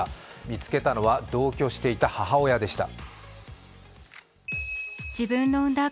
見つけたのは同居していた母親でした。